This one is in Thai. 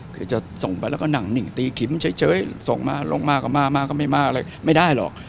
เควิลจะส่งไปการนั่งหนิ่งตีคริ้มเฉยส่งมาร้องมากก็มากก็ไม่มากไม่ได้หรอก